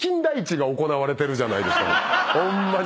ホンマに。